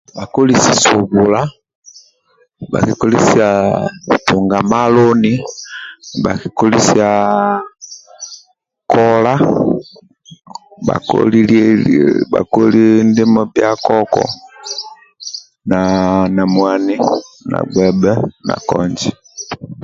Bakolisi subula nibakiolisa tunga maloni niba kikolisa kola bakoli ndimo bya koko na mwani na gbebe na konje